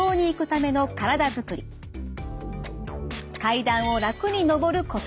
階段を楽に上るコツ。